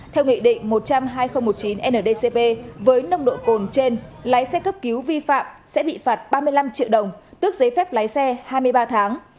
theo nghị định một trăm linh hai nghìn một mươi chín ndcp với nồng độ cồn trên lái xe cấp cứu vi phạm sẽ bị phạt ba mươi năm triệu đồng tước giấy phép lái xe hai mươi ba tháng